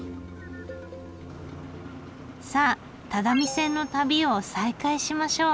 さあ只見線の旅を再開しましょう。